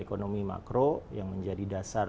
ekonomi makro yang menjadi dasar